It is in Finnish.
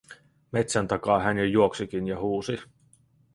Metsän takaa hän jo juoksikin ja huusi: